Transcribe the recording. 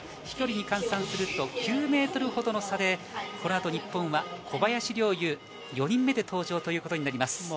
飛距離に換算すると９ｍほどの差で、この後、日本は小林陵侑、４人目で登場となります。